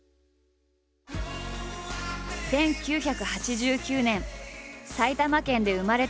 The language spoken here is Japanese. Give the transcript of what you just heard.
１９８９年埼玉県で生まれた佐藤。